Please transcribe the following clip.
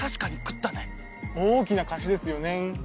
大きな貸しですよねぇ。